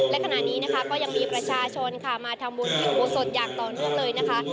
และขณะนี้นะคะก็ยังมีประชาชนค่ะมาทำบุญที่อุโบสถอย่างต่อเนื่องเลยนะคะ